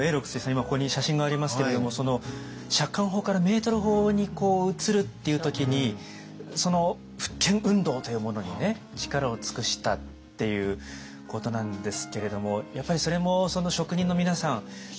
今ここに写真がありますけれども尺貫法からメートル法に移るっていう時にその復権運動というものに力を尽くしたっていうことなんですけれどもやっぱりそれも職人の皆さん目で見れば分かるっていう。